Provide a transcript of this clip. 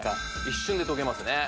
一瞬で溶けますね